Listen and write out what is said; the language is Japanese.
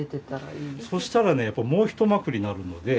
そしたらねもうひとまくりなるので。